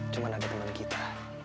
cuman ada temen kita